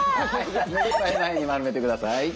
目いっぱい前に丸めてください。